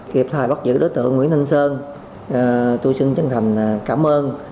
kịp thời bắt giữ đối tượng nguyễn thanh sơn tôi xin chân thành cảm ơn